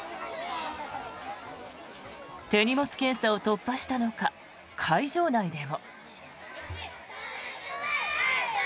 手荷物検査を突破したのか会場内でも。